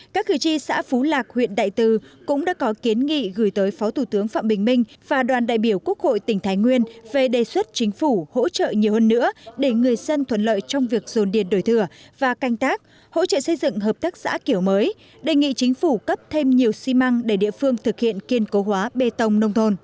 các cử tri xã phú lạc huyện đại từ cũng đã có kiến nghị gửi tới phó thủ tướng phạm bình minh và đoàn đại biểu quốc hội tỉnh thái nguyên về đề xuất chính phủ hỗ trợ nhiều hơn nữa để người dân thuận lợi trong việc dồn điền đổi thừa và canh tác hỗ trợ xây dựng hợp tác xã kiểu mới đề nghị chính phủ cấp thêm nhiều xi măng để địa phương thực hiện kiên cố hóa bê tông nông thôn